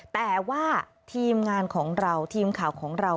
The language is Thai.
แต่ว่าทีมงานของเราทีมข่าวของเรา